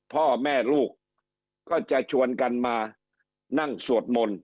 พ่อแม่ลูกก็จะชวนกันมานั่งสวดมนต์